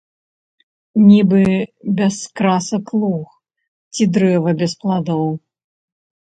Нібы без красак луг ці дрэва без пладоў.